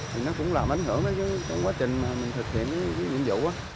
thì nó cũng làm ảnh hưởng trong quá trình thực hiện những nhiệm vụ